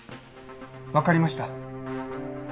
わかりました。